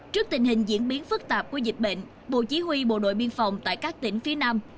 trước tình hình diễn biến phức tạp của dịch bệnh bộ chí huy bộ đội biên phòng tại các tỉnh phía nam